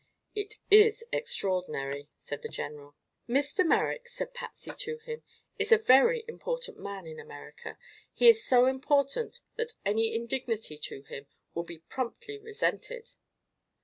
"It is extraordinary," said the general. "Mr. Merrick," said Patsy to him, "is a very important man in America. He is so important that any indignity to him will be promptly resented."